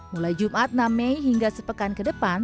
mulai jumat enam mei hingga sepekan ke depan